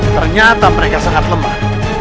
ternyata mereka sangat lemah